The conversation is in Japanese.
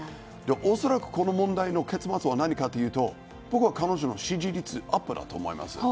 恐らく、この問題の結末は何かというと僕は彼女の支持率アップだと思います。